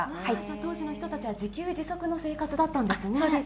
当時の人たちは、自給自足の生活だったんですね。